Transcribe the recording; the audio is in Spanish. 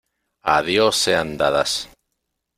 ¡ a Dios sean dadas!